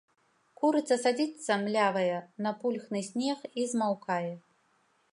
Курыца садзіцца, млявая, на пульхны снег і змаўкае.